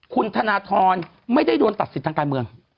คุณธนทรไม่ได้โดนตัดสิทธิ์ทางการเมือง